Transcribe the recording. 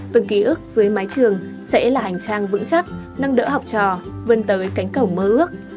từng ký ức dưới mái trường sẽ là hành trang vững chắc nâng đỡ học trò vươn tới cánh cầu mơ ước